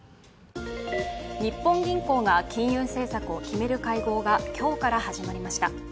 日本銀行が金融政策を決める会合が今日から始まりました。